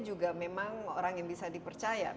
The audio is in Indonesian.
juga memang orang yang bisa dipercaya